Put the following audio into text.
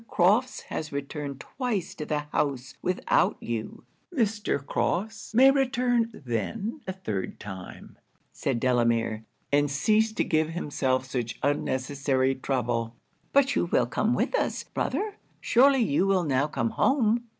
Crofts has returned twice to the house without you.' 'Mr. Crofts may return then a third time,' said Delamere, 'and cease to give himself such unnecessary trouble.' 'But you will come with us, brother? Surely you will now come home?'